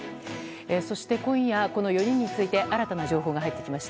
そして今夜、この４人について新たな情報が入ってきました。